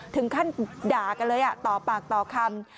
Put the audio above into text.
ถึงขั้นด่ากันเลยต่อปากต่อคำ